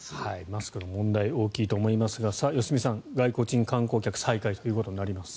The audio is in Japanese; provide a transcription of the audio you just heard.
マスクの問題大きいと思いますが良純さん、外国人観光客再開となります。